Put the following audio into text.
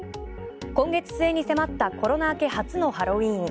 今月末に迫ったコロナ明け初のハロウィーン。